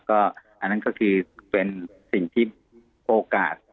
ก็อันนั้นก็คือเป็นสิ่งที่โปรการ์ด